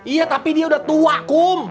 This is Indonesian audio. iya tapi dia udah tua kum